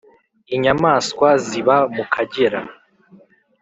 inyamanswa ziba mu Kagera